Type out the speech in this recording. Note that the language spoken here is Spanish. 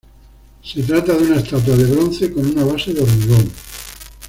Se trata de una estatua de bronce con una base de hormigón.